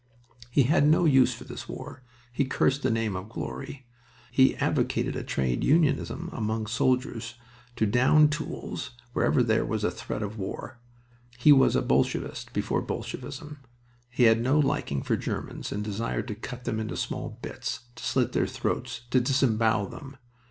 He had no use for this war. He cursed the name of "glory." He advocated a trade unionism among soldiers to down tools whenever there was a threat of war. He was a Bolshevist before Bolshevism. Yet he had no liking for Germans and desired to cut them into small bits, to slit their throats, to disembowel them.